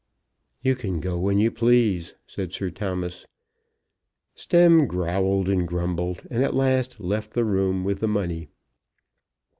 "You can go when you please," said Sir Thomas. Stemm growled and grumbled, and at last left the room with the money.